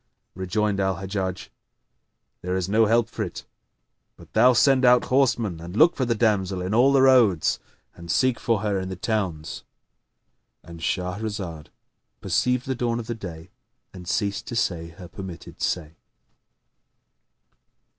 Rejoined Al Hajjaj, "There is no help for it but thou send out horsemen and look for the damsel in all the roads, and seek for her in the towns."—And Shahrazad perceived the dawn of day and ceased to say her permitted say.